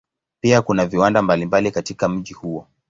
Pia kuna viwanda mbalimbali katika mji huo.